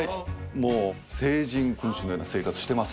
もう聖人君子のような生活してます